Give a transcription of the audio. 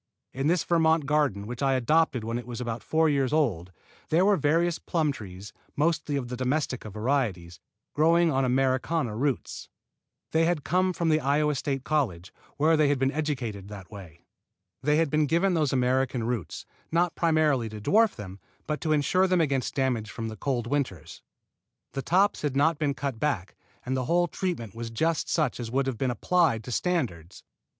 In this Vermont garden which I adopted when it was about four years old, there were various plum trees, mostly of domestica varieties, growing on Americana roots. They had come from the Iowa State College, where they had been educated that way. They had been given those Americana roots, not primarily to dwarf them, but to insure them against damage from the cold winters. The tops had not been cut back, and the whole treatment was just such as would have been applied to standards.